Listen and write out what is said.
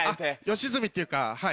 吉住っていうかはい。